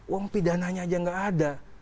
uang pidananya aja nggak ada